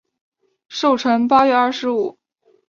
寿辰八月二十五。